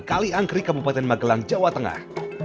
di kepulauan negeri kabupaten magelang jawa tengah